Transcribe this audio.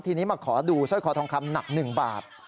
ทีนี้มาขอดูสร้อยคอทองคำหนัก๑บาท